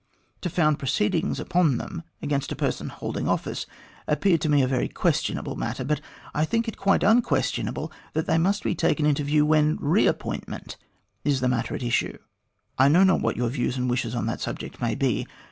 To found proceedings upon them against a person holding office appeared to me a very questionable matter, but I think it quite unquestionable that they must be taken into view when re appointment is the matter at issue. I know not what your views and wishes on that subject may be.